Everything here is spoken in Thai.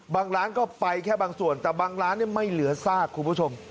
ร้านก็ไปแค่บางส่วนแต่บางร้านไม่เหลือซากคุณผู้ชม